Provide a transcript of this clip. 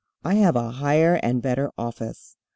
I have a higher and better office.